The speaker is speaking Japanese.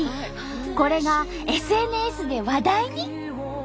これがＳＮＳで話題に。